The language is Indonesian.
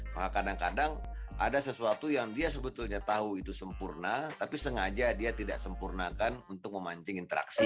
maka kadang kadang ada sesuatu yang dia sebetulnya tahu itu sempurna tapi sengaja dia tidak sempurnakan untuk memancing interaksi